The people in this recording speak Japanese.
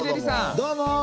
どうも！